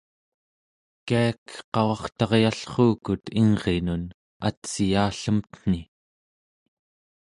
kiak qavartaryallruukut ingrinun atsiyallemten̄i